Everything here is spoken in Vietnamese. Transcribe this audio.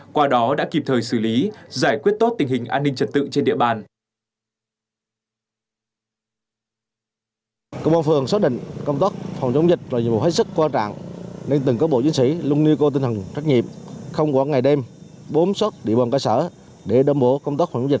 qua đó đã kịp thời xử lý giải quyết tốt tình hình an ninh trật tự trên địa bàn